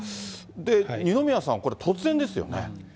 で、二宮さん、これ、突然ですよね。